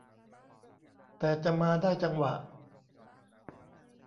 แต่จะมาได้จังหวะ